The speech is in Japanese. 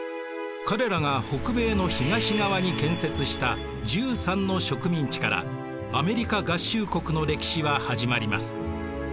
彼らが北米の東側に建設した１３の植民地からアメリカ合衆国の歴史は始まります。